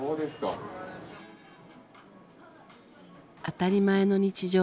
当たり前の日常。